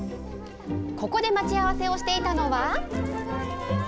ここで待ち合わせをしていたのは。